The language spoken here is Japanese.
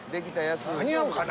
間に合うかな？